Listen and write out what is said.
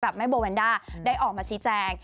แม่โบแวนด้าได้ออกมาชี้แจง